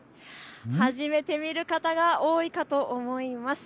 初めて見る方が多いかと思います。